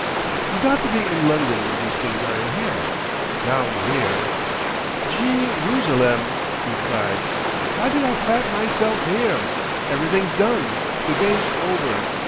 "You got to be in London when these things are in hand. Down here—! "Jee rusalem!" he cried. "Why did I plant myself here? Everything's done. The game's over.